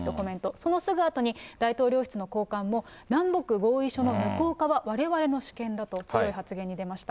そのすぐあとに大統領室の高官も南北合意書の無効化はわれわれの主権だと強い発言に出ました。